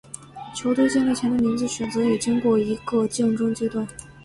球队建立前的名字选择也经过一个竞争阶段。